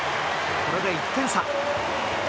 これで１点差。